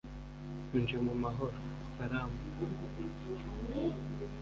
nje mu mahoro (Salam